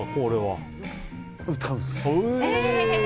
歌うんです。